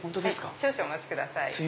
少々お待ちください。